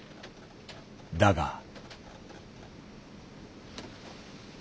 だが。